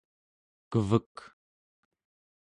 kevek